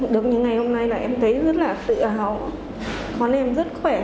được những ngày hôm nay là em thấy rất là tự hào có nên em rất khỏe